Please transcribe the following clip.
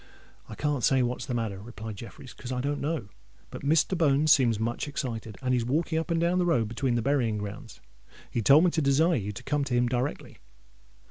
"I can't say what's the matter," replied Jeffreys, "because I don't know. But Mr. Bones seems much excited—and he's walking up and down the road between the burying grounds. He told me to desire you to come to him directly."